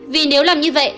vì nếu làm như vậy